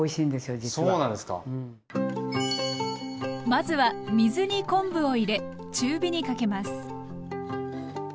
まずは水に昆布を入れ中火にかけます。